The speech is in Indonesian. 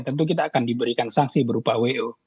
tentu kita akan diberikan sanksi berupa wo